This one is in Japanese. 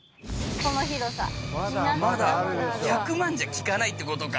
まだ１００万じゃきかないってことか。